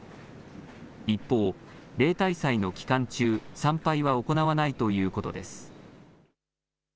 一方、例大祭の期間中参拝は行わないということです。